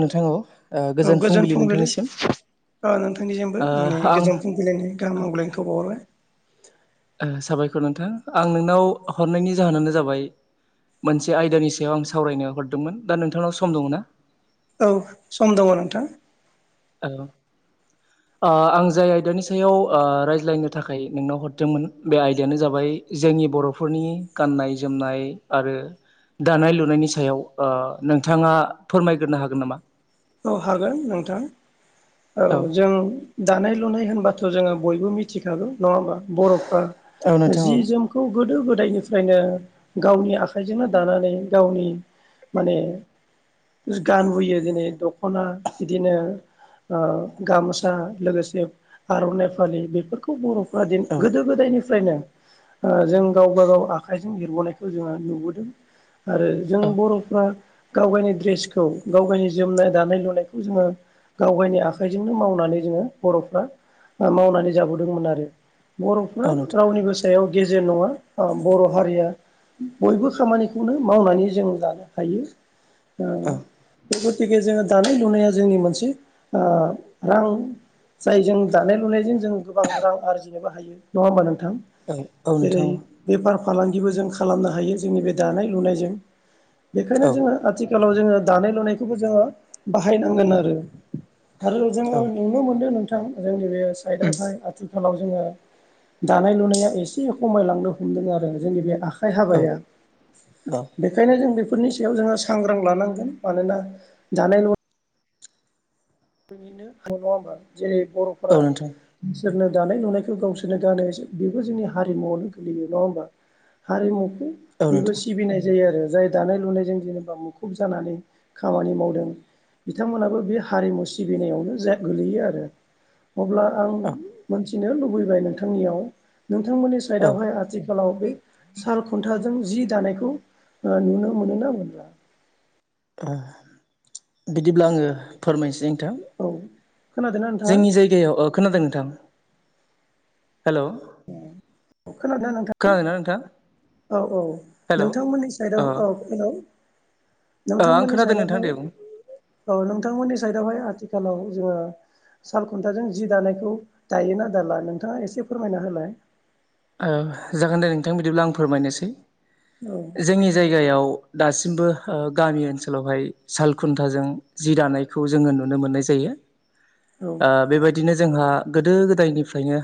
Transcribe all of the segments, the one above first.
नोंथांनाव गोजोन फुंबिलि नोंथांनिसिम अ नोंथांनिसिमबो ओ आंनि आं गोजोन फुंबिलिनि ओ गाहाम हामलायनायखौ बावहरबाय साबायखर नोंथां आं नोंनाव हरनायनि जाहोनानो जाबाय मोनसे आयदानि सायाव आं सावरायनो हरदोंमोन दा नोंथांनाव सम दङ ना औ सम दङ नोंथां [unintelligible] [inaudible] आ आं जाय आयदानि सायाव आ रायज्लायनो थाखाय नोंनाव हरदोंमोन बे आयदायानो जाबाय जोंनि बरफोरनि गाननाय जोमनाय आरो दानाय लुनायनि सायाव आ नोंथाङा फोरमायग्रोनो हागोन नामा औ हागोन नोंथां औ जों दानाय लुनाय होनबाथ जोङो बयबो मिथिखागौ नङा होमबा औ बरफ्रा नोंथां औ जि जोमखौ गोदो गोदायनिफ्रा - -यनो गावनि आखाइजोंनो दानानै गावनि माने गानबोयो दिनै दखना बिदिनो ओ गामसा लोगोसे आरनाय पालि बेफोरखौ बर' बा गोदो गोदायनि फ्रायनो ओ जों गावबा गाव आखाइजों एरबोननायखौ जोङो नुबोदों आरो जों औ बर'फ्रा गाव गावनि द्रेसखौ गाव गावनि जोमनाय दानाय लुनायखौ जोङो गाव गायनि आखाइजोंनो मावनानै जोङो बर'फ्रा मावनानै जाबोदोंमोन आरो बर'फ्रा औ नोंथां रावनिबो सायाव गेजेर नङा ओ बर' हारिया बयबो खामानिखौनो मावनानै जों लानो हायो औ गथिखे जोङो दानाय लुनाया जोंनि मोनसे ओ रां जाय जों दानाय लुनायजों जों गोबां रां आरजिनोबो हायो नङा होमबा नों थां औ औ जेरै नोंथां बेफार फालांगिबो जों खालामनो हायो जोंनि बे दानाय लुनायजों बेखायनो औ जोङो आथिखालाव जोङो दानाय लुनायखौबो जोङो बाहायनांगोन आरो आरो औ जोङो नुनो मोनदों नोंथ जोंनि बे साइडआवहाय आ आथिखालाव जोङो दानाय लुनाया एसे खमायलांनो हमदों आरो जोंनि बे आ औ हाबाया औ बेखायनो जों बे फोरनि सायाव जोङो सांग्रां लानांगोन मानोना जानाय ल निनो ह नङा जेरै औ बर'फोरा नोंथां बिसोरनो दानाय लुनायखौ गावसोरनो गानो बेबो जोंनि हारिमुवावनो गोलैयो नङा होमबा हारिमु औ बेबो नोंथां सिबिनाय जायो आरो जाय दानाय लुनायजों जेनेबा मुखुब जानानै खामानि मावदों बिथांमोनाबो बे हारिमु सि सिबिनायावनो जा गोलैयो आरो अब्ला आं औ मोन नो लुबैबाय नोंथांनियाव नोंथांमोननि औ साइदआवहाय आथिखालाव बे साल खुन्था जों जि दानायखौ ओ नुनो मोनोना मोनला बिदिब्ला आङो फोरमायनोसै नोंथां औ खोनादोंना नोंथाङा जोंनि जायगायाव ओ खोनादों नोंथां हेल' खोनादोंना नोंथां खोनादोंना नोंथां? औ औ हेल' अ नोंथांमोननि ओ साइदआव औ हेल' आं नोंथांमोननि खोनादों नोंथां साइदआवहाय दे बुं औ नोंथांमोननि साइदआवहाय आथि लाव जोंङो सालखुन्थाजों जि दानायखौ दायोना दाला नोंथाङा एसे फोरमायना होलाय ओ जागोन दे नोंथां बिदिब्ला आं फोरमायनोसै औ जोंनि जायगायाव दासिमबो ओ गामि ओनसोलावहाय सालखुन्थाजों जि दानायखौ जोङो नुनो मोननाय जायो औ ओ बेबायदिनो जोंहा गोदो गोदायनिफ्रायनो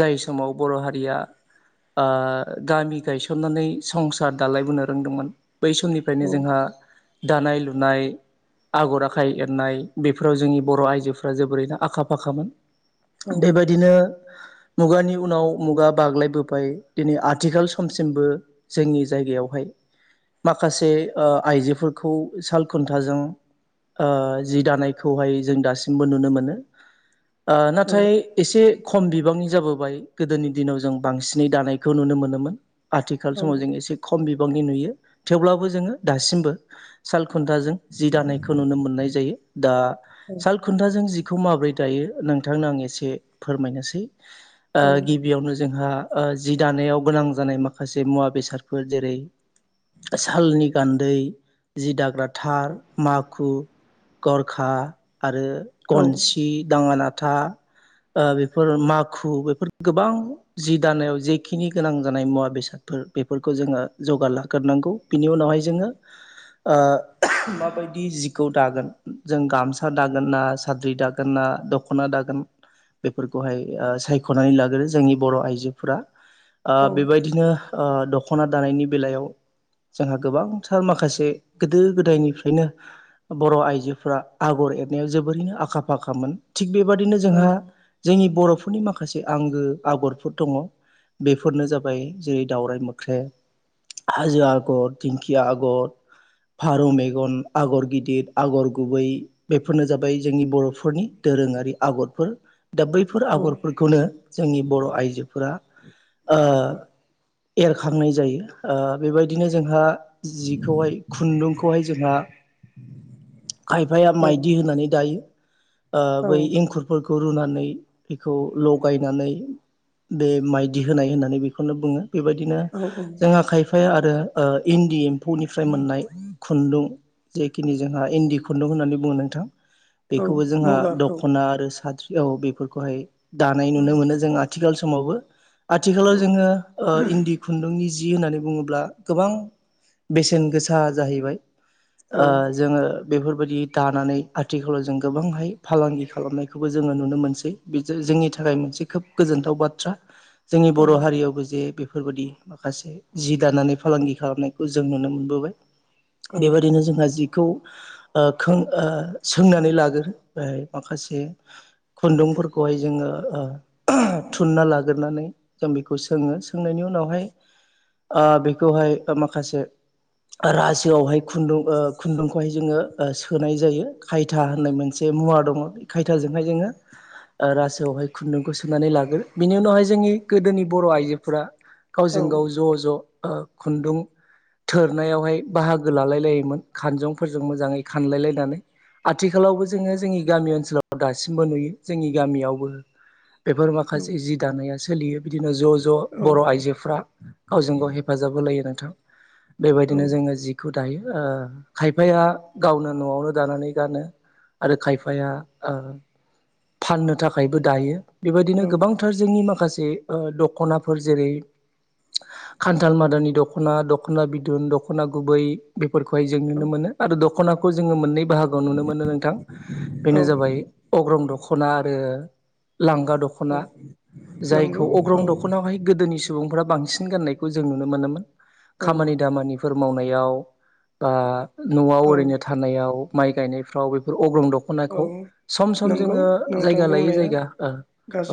जाय समाव बर' हारिया ओ गामि गायसननानै संसार दालायबोनो रोंदोंमोन बै समनिफ्रायनो औ जोंहा दानाय लुनाय आगर आखाइ एरनाय बेफोराव जोंनि बर' आइजोफोरा जोबोरैनो आखा फाखामोन औ बेबायदिनो मुगानि उनाव मुगा बाग्लायबाय बाम दिनै आथिखाल समसिमबो जोंनि जायगायावहाय माखासे ओ आइजोफोरखौ साल खुन्थाजों ओ जि दानायखौहाय जों दासिमबो नुनो मोनो ओ नाथाय एसे खम बिबांनि जाबोबाय गोदोनि दिनाव जों बांसिनै दानायखौ नुनो मोनोमोन आथिखाल औ समाव जों एसे खम बि नि नुयो थेवब्लाबो जोङो दासिमबो साल खुथाजों जि दानायखौ नुनो मोननाय जायो दा साल खुथ्नाजों जि खौ माब्रै दायो नोंथांनो आं एसे फोरमायनोसै ओ औ गिबियावनो जोंहा ओ जि दानायाव गोनां जानाय माखासे मुवा बेसादफोर जेरै सालनि गान्दै जि दाग्रा थार माखु गरखा आरो औ गनसि दाङाना था ओ बेफोर माखु बेफोर गोबां जि दानायाव जेखिनि गोनां जानाय मुवा बेसादफोर बेफोरखौ जोङो जौगार लाग्रोनांगौ बिनि उनावहाय जोङो ओ माबायदि जिखौ दागोन जों गामसा दागोन ना साद्रि दागोन ना दख'ना दागोन बेफोरखौहाय ओ सायख'नानै लाग्रो जोंनि बर' आइजोफोरा ओ‌ बेबायदिनो ओ दख'ना दानायनि बेलायाव जोंहा गोबांथार माखासे गोदो गोदायनिफ्रायनो बर' आइजोफोरा आगर एरनायाव जोबोरैनो आखा फाखामोन। थिग बेबादिनो औ जोंहा जोंनि बर'फोरनि माखासे आंगो आगरफोर दङ बेफोरनो जाबाय जेरै दावउराय मोख्रेब हाजो आगर दिंखिया आगर फारौ मेगन आगर गिदिर आगर गुबै बेफोरनो जाबाय जोंनि बर'फोरनि दै दोरोङारि आगरफोर दा बैफोर आगरफोरखौनो जोंनि बर' आइजोफोरा एरखांनाय जायो बेबायदिनो जोंहा जिखौहाय खुन्दुंखौहाय जोंहा [inaudible] खायफाया माइदि होनानै दायो ओ औ बै एंखुरफोरखौ रुनानै बेखौ लगायनानै बे माइदि होनाय होननानै बेखौनो बुङो बेबायदिनो औ जों आखाय फाय आरो ओ इन्दि एम्फौनिफ्राय मोननाय खुन्दुं जेखिनि जोंहा इन्दि खुन्दुं होननानै बुङो नोंथां औ बेखौबो जोंहा मुगाखौ दख'ना आरो साद्रियाव बेफोरखौहाय दानाय औ नुनो मोनो जों आ आथिखाल समावबो आथिखालाव औ जोङो इन्दि खुन्दुंनि जि होननानै बुङोब्ला गोबां बेसेन गोसा जाहैबाय औ ओ जोङो बे बादि दानानै आथिखालाव जों गोबांहाय फालांगि खालामनायखौबो जोङो नुनो मोनसै जोंनि थाखाय थाखाय मोनसे खोब गोजोनथाव बाथ्रा जोंनि औ बर' हारियावबो जे बे बेफोरबायाददि माखासे जि दानानै फालांगि खालामनायखौ जों नुनो मोनबोबाय बेबायदिनो जोंहा जि खों ओ सोंनानै लाग्रोबाय माखासे खुन्दुंफोरखौहाय जोङो थुनना लाग्रोनानै जों बेखौ सोङो सोंनायनि उनावहाय ओ बेखौहाय माखासे रासोआवहाय खुन्दुं खुन्दुंखौहाय जोङो सोनाय जायो खायथा होननाय मोनसे मुवा दङ खायथाजोंहाय जोङो रासोआवहाय खुन्दुंखौ सो सुनानै लाग्रो बिनि उनावहाय जोंनि गोदोनि बर' आइजोफोरा औ गावजों गाव ज' ज' खुन्दुं थोरनायावहाय बाहागो लालाय लायोमोन खानजंफोरजों मोजाङै खानलाय लायनानै आथिखालावबो जोङो जोंनि गामि ओनसोलाव दासिमबो नुयो जोंनि गामियावबो बेफोर माखासे जि दानाया सोलियो बिदिनो ज' ज' बर' आइजोफ्रा गावजों गाव हेफाजाब होलायो नोंथां बेबायदिनो जोङो जिखौ दायो खायफाया गावनो न'आवनो दानानै गानो आरो खायफाया ओ फाननो थाखायबो दायो बेबायदिनो गोबांथार जोंनि माखासे दख'नाफोर जेरै खान्थाल मादानि दख'ना दख'ना बिदुन दख'ना गुबै बे फोरखौहाय जों नुनो मोनो आरो दख'नाखौ जोङो मोननै बाहागोआव नुनो मोनो नोंथां बेनो औ जाबाय अग्रं दख'ना आरो लांगा औ दख'ना नंगौ जायखौ औ अग्रं दख'नाआवहाय गोदोनिस सुबुंफोरा बांसिन गाननायखौ जों नुनो मोनोमोन औ खामानि दामानिफोर मावनायाव बा न'आव औ ओरैनो थानायाव माइ गायनायफ्राव बेफोर अग्रं द औ ख'नायखौ सम सम नंगौ जोङो नोंथां जायगा लायो बुंनाया जायगा ओ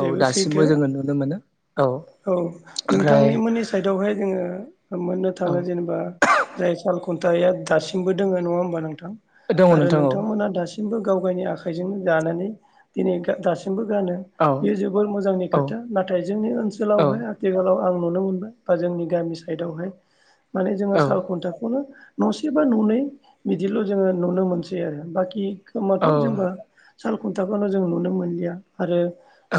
औ दासिमबो सैथो जोङो नुनो मोनो औ ओमफ्राय नोंथांनिमोननि साइडआवहाय जोङो मोननो औ थाङो जेनेबा जाय साल खुन्थाया दासिमबो दोङो नङा होमबा नोंथां दङ आरो नोंथां औ नोंथांमोना दासिमबो गाव गावनि आखाइजोंनो जानानै दिनै गा दासिमबो गानो बियो जोबोर मोजांनि औ खोथा नाथाय जोंनि औ ओनसोलावहाय आथिखालाव आं नुनो मोनबाय बा जोंनि गामि साइडावहाय माने जोङो औ साल खुन्थाखौनो न'से बा न'नै बिदिल' जोङो नुनो मोनसै आरो बाखि खोमाथ' औ जेनबा साल खुन्थाखौनो जों नुनो मोनलिया आरो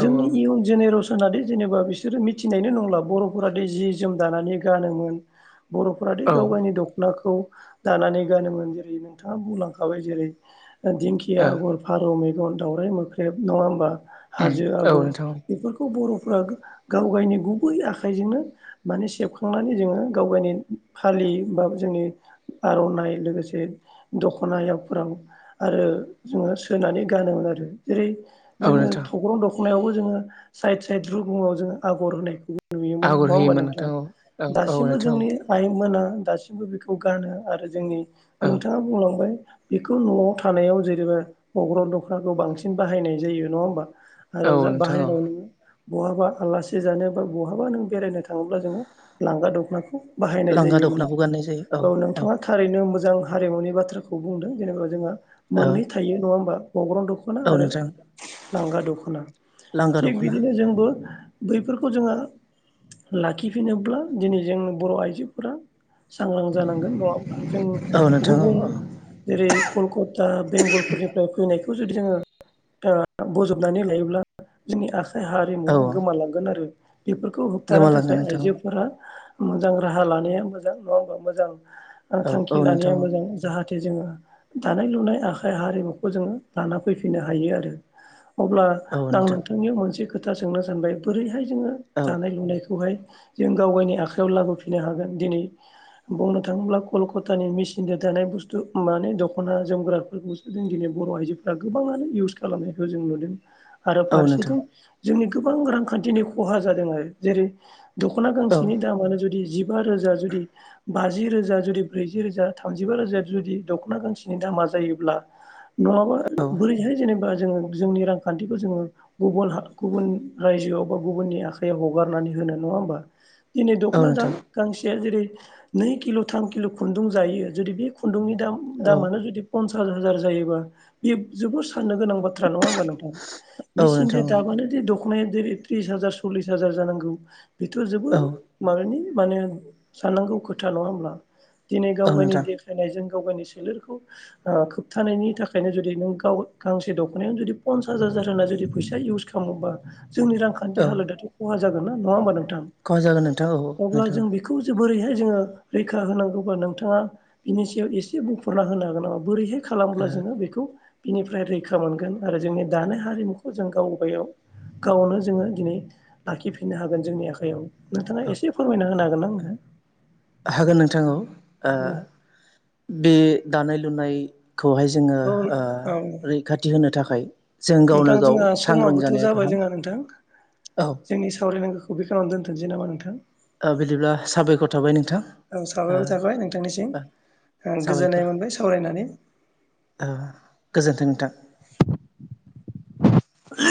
औ जोंनि औ इयुन जेनेरेसनादि जेनेबा बि- सोरो मिथिनायनो नंला बर'फोरा दि जि जोम दानानै गानोमोन बर'फोरादि ओ गावगायनि दखनाखौ दानानै गानोमोन जेरै नोंथाङा बुंलांखाबाय जेरै ओ दिंखिया आगर फारौ मे- गन दावउराइ मोख्रेब नङा होमबा उम हाजो औ आगर नोंथां बेफोरखौ बर'फोरा गो गावगायनि गुबै आखाइजोंनो माने सेबखांनानै जोङो गावगायनि फालि बा जो- नि आर'नाइ लोगोसे दखनायावफोराव आरो जोङो सो- नानै गानोमोन आरो जेरै औ जोङो नोंथां थग्रं दख'नायावबो जोङो साइद साइद रुगुङाव जोङो आगर होनायखौबो नुयोमोन आगर नङा होमबा होयोमोन नोंथां औ औ दासिमबो नोंथां जोंनि आइमोना दासिमबो बेखौ गानो आरो जोंनि औ नोंथाङा बुंलांबाय बेखौ न'आव थानायाव जेरैबा अग्रन दख्नाखौ बांसिन बाहायनाय जायो नङा होमबा आरो औ जा नोंथां औ बाहेरानि बहाबा आलासि सि जानायाव बा बहाबा नों बेरायनो थाङोब्ला जोङो लांगा दखनाखौ बाहायनाय लांगा जायोमोनना दख'नाखौ गाननाय जायो औ नोंथाङा थारैनो मो- जां हारिमुनि बाथ्राखौ बुंदों जेनेबा जोंहा औ मोननै थायो नङा होमबा अग्रं दख'ना औ आरो नोंथां लांगा दख'ना लांगा थिग दख'ना बिदिनो जोंबो बैफोरखौ जोङो लाखिफिनोब्ला दिनै जों बर' आइजोफोरा सांग्रां जानांगोन नङा होमब्ला जों औ नोंथां औ गुबुं औ जेरै कलकता बेंगलफोरनिफ्राय फैनाय खौ जुदि जोङो ओ बजबनानै लायोब्ला जोंनि आखाइ हारिमुवा औ गोमालां गोन आरो बेफोरखौ होबथानो गोमालांगोन थाखाय नोंथां आइजोफोरा मोजां राहा लानाया मोजां नङा होमबा मोजां ओ औ थांखि औ लानाया नोंथां मोजां औ जाहाथे जोङो दानाय लुनाय आखाइ हारिमुखौ जोङो लाना फैफिननो हायो आरो अब्ला औ आं नोंथां नोंथांनियाव मोनसे खोथा सोंनो सानबाय बोरैहाय जोङो औ दानाय लुनायखौहाय जों गावगायनि आखायाव लाबोफिननो हागोन दिनै बुंनो थाङोब्ला कलखतानि मिसिनदो दानाय बुस्थु माने दख'ना जोमग्राफोरखौसो जों दिनै बर' आइजोफ्रा गोबाङानो इउस खालामनायखौ जों नुदों आरो औ नोंथां फारसेथिं जोंनि गोबां रांखान्थिनि खहा जादों आरो जेरै दख'ना औ गांसेनि दामानो जुदि जि- बा रोजा जुदि बाजि रोजा जुदि ब्रैजि रोजा थामजिबा रोजाया जुदि दख'ना गांसेनि दामा जायोब्ला नङाबा औ बोरैहाय जेनेबा जोङो जोंनि रांखान्थिखौ जोङो गुबल हा गुबुन रायजोआव बा गुबुननि आखयाव हगारनानै होनो नङा होमबा दिनै दख'ना औ दाम नोंथां गांसेया जेरै नै किल थाम किल खुन्दुं जायो जुदि बि खुन्दुंनि दाम औ दामानो जुदि पनस- सास हाजार जायोबा इयोब जोबोर फाननो गोनां बाथ्रा नङा होमबा नोंथां औ मिचिनदो नोंथां औ दाबानोदे दख'नाया देरेद टिस हाजार सल्लिस हाजार जानांगौ बेथ' जोबोर औ माहोनो माने साननांगौ खोथा नङा होमब्ला दिनै औ गावगायनि नोंथां देखायनायजों गावगायनि सोलेरखौ ओ खोबथानायनि थाखायनो जुदि नों गाव गांसे दख'नायानो जुदि फनसास हा- जार होना जुदि फैसा इउस खालामोबा जोंनि रांखान्थि औ हालोदाथ खहा जागोन नङा होमबा नों थां खहा जागोन नोंथां औ अब्ला नोंथां जों बेखौ जो बोरैहाय जोङो रैखा होनांगौबा नोंथाङा बिनि सायाव एसे बुंफुरना होनो हागोन नामा बोरैहाय खालामब्ला जोङो औ बेखौ बिनिफ्राय रैखा मोनगोन आरो जोंनि दानाय हारिमुखौ जों गावबायाव गावनो जोङो दिनै लाखिफिननो हागोन जोंनि आखयाव नोंथाङा एसे फोरमायना होनो हागोन ना आंनो हागोन नोंथां औ ओ बे दानाय लुनाय खौहाय जोङो औ ओ औ रैखाथि होनो थाखाय जों गावनो नोंथां गाव जोंहा सांग्रां समाबोथ जानाया जाबाय गाहाम जोंहा नोंथां औ जोंनि सावरायनांगौखौ बे खिनियावनो दोनथनोसै नामा नोंथां। ओ बिदिब्ला साबायखर थाबाय नोंथां औ साबायखर थाबाय नोंथांनिसिम ओ गोजोननाय साबायखर मोनबाय सावरायनानै ओ गोजोन्थों नोंथां